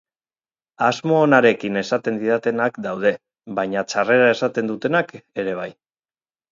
Asmo onarekin esaten didatenak daude, baina txarrera esaten dutenak ere bai.